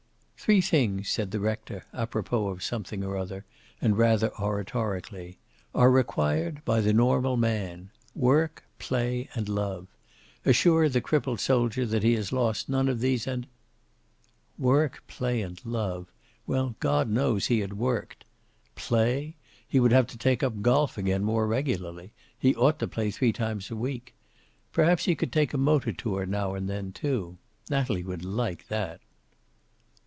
"Three things," said the rector, apropos of something or other, and rather oratorically, "are required by the normal man. Work, play, and love. Assure the crippled soldier that he has lost none of these, and " Work and play and love. Well, God knows he had worked. Play? He would have to take up golf again more regularly. He ought to play three times a week. Perhaps he could take a motor tour now and then, too. Natalie would like that.